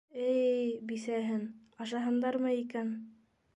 Эй-й-й... бисәһен... ашаһындармы икән?